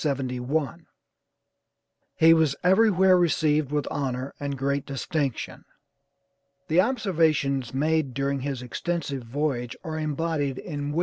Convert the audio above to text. He was everywhere received with honor and great distinction. The observations made during this extensive voyage are embodied in "Wm.